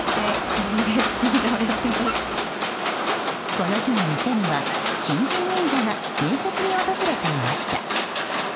この日も店には新人忍者が面接に訪れていました。